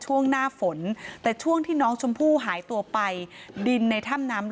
ช่วงหน้าฝนแต่ช่วงที่น้องชมพู่หายตัวไปดินในถ้ำน้ำ